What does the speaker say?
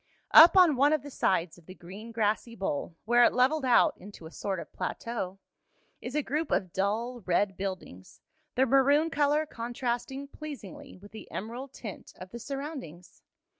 Up on one of the sides of the green, grassy bowl, where it leveled out into a sort of plateau, is a group of dull, red buildings, their maroon color contrasting pleasingly with the emerald tint of the surroundings.